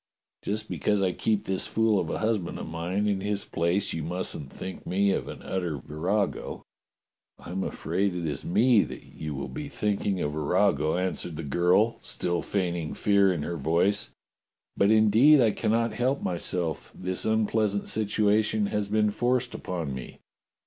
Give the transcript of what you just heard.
Just because I keep this fool of a husband of mine in his place, you mustn't think me an utter virago." "I am afraid it is me that you will be thinking a virago," answered the girl, still feigning fear in her voice, "but indeed I cannot help myseK. This un pleasant situation has been forced upon me."